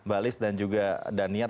balis dan juga daniar